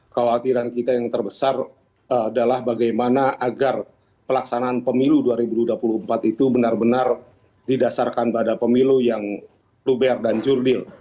kekhawatiran kita yang terbesar adalah bagaimana agar pelaksanaan pemilu dua ribu dua puluh empat itu benar benar didasarkan pada pemilu yang luber dan jurdil